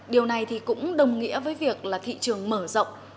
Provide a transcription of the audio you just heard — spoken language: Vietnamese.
điều này thì cũng đồng nghĩa với việc là thị trường mở rộng